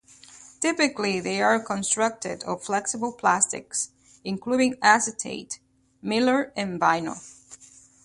Typically they are constructed of flexible plastics, including acetate, mylar and vinyl.